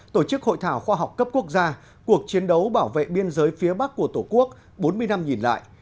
tổ chức hội thảo khoa học cấp quốc gia cuộc chiến đấu bảo vệ biên giới phía bắc của tổ quốc bốn mươi năm nhìn lại